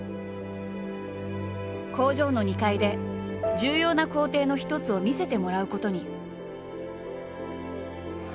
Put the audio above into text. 工場の２階で重要な工程の一つを見せてもらうことに。